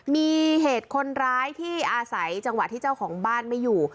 มีเหตุคนร้ายที่อาศัยจังหวะที่เจ้าของบ้านไม่อยู่